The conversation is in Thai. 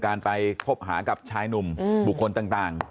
การไปคบหากับชายหนุ่มบุคคลต่าง